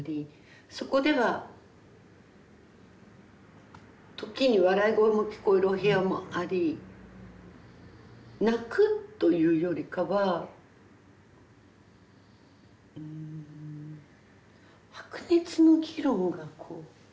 そこでは時に笑い声も聞こえるお部屋もあり泣くというよりかはうん白熱の議論がこう。